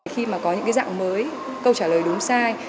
khi mà có những cái dạng mới câu trả lời đúng sai